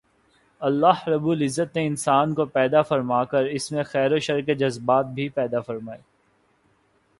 اللہ رب العزت نے انسان کو پیدا فرما کر اس میں خیر و شر کے جذبات بھی پیدا فرمائے